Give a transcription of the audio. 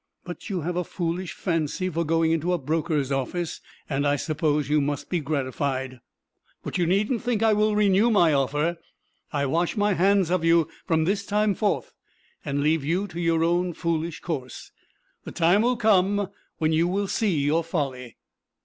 But you have a foolish fancy for going into a broker's office, and I suppose you must be gratified. But you needn't think I will renew my offer. I wash my hands of you from this time forth, and leave you to your own foolish course. The time will come when you will see your folly.